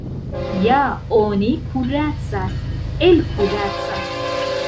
Ja oni kuracas, elkuracas.